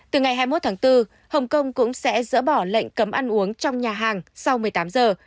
từ ngày hai mươi một tháng bốn hồng kông cũng sẽ dỡ bỏ lệnh cấm ăn uống trong nhà hàng sau một mươi tám giờ